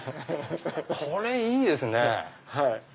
これいいですね。